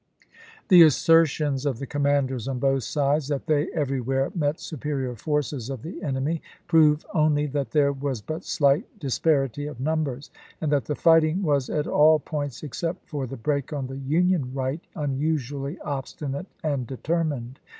The assertions of the commanders on both sides, that they everywhere met superior forces of the enemy, prove only that there was but slight dis parity of numbers; and that the fighting was at all points, except for the break on the Union right, unusually obstinate and determined.